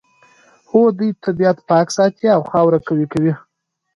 هو دوی طبیعت پاک ساتي او خاوره قوي کوي